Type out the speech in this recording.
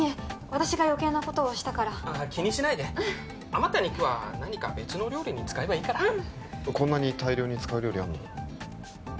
私が余計なことをしたからああ気にしないで余った肉は何か別の料理に使えばいいからこんなに大量に使う料理あるの？